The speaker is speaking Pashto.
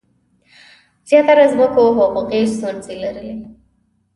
زیاتره ځمکو حقوقي ستونزې لرلې.